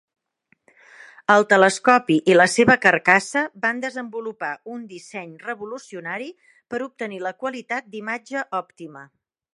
El telescopi i la seva carcassa van desenvolupar un disseny revolucionari per obtenir la qualitat d'imatge òptima.